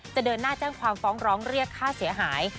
เดินหน้าแจ้งความฟ้องร้องเรียกค่าเสียหาย